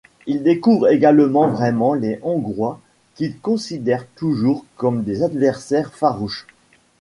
Il découvre également vraiment les Hongrois qu’il considère toujours comme des adversaires farouches.